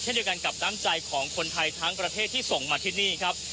เดียวกันกับน้ำใจของคนไทยทั้งประเทศที่ส่งมาที่นี่ครับ